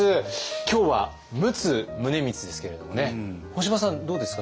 今日は陸奥宗光ですけれどもね干場さんどうですか？